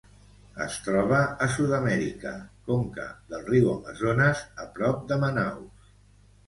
Es troba a Sud-amèrica: conca del riu Amazones a prop de Manaus.